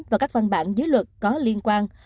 và các văn bản dưới luật có liên quan